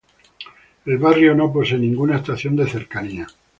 El barrio no posee ninguna estación de Cercanías.